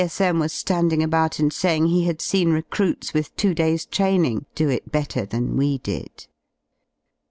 C.S.M. was Ending about and saying he had seen recruits with two days* training do it better than we did.